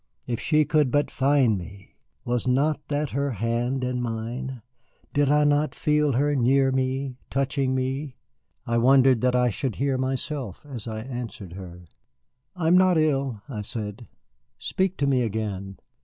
If she could but find me! Was not that her hand in mine? Did I not feel her near me, touching me? I wondered that I should hear myself as I answered her. "I am not ill," I said. "Speak to me again."